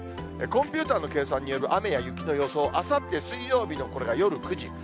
コンピューターの計算による雨や雪の予想、あさって水曜日のこれが夜９時。